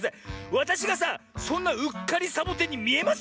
わたしがさそんなうっかりサボテンにみえます？